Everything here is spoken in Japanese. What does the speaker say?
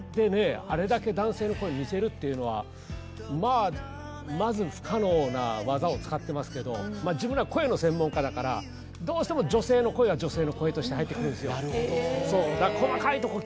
あれだけ男性の声に似せるっていうのはまあまず不可能な技を使ってますけどまあ自分らどうしても女性の声は女性の声として入ってくるんですよ